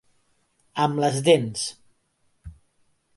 Amb les dents.